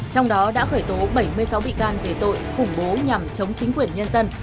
trong đó đã khởi tố bảy mươi sáu bị can về tội khủng bố nhằm chống chính quyền nhân dân